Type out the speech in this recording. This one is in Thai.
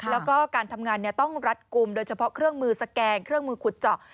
แล้วก็การทำงานต้องรัดกลุ่มโดยเฉพาะเครื่องมือสแกนเครื่องมือขุดเจาะ